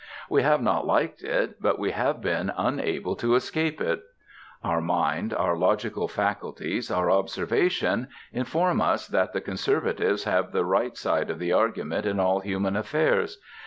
We have not liked it, but we have been unable to escape it. Our mind, our logical faculties, our observation, inform us that the conservatives have the right side of the argument in all human affairs.